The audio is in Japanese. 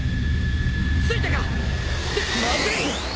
着いたか！ってまずい。